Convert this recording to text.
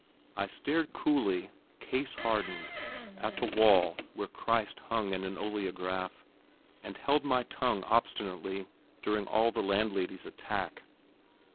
I stared coolly, case hardened, at the wall where Christ hung in an oleograph, and held my tongue obstinately during all the landlady's attack.